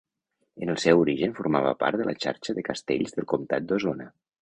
En el seu origen formava part de la xarxa de castells del comtat d'Osona.